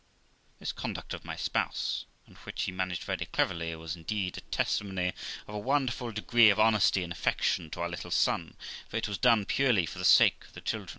This conduct of my spouse, and which he managed very cleverly, was indeed a testimony of a wonderful degree of honesty and affection to our little son ; for it was done purely for the sake of the child.